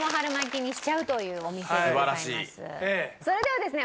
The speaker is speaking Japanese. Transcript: それではですね